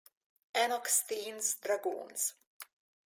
Enoch Steen's dragoons.